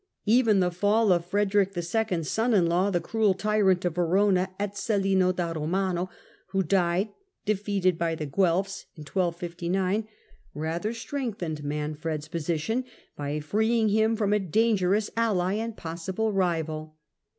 Even the fall of Frederick II.'s son in law, the cruel tyrant of Verona, Ezzelino da Komano, who died, defeated by the Guelfs, in 1259, rather strengthened Manfred's position, by freeing him from a dangerous ally and possible rival.